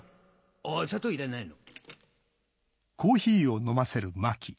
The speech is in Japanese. あっ砂糖いらないの。